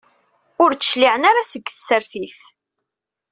Ur d-cliɛen ara seg tsertit.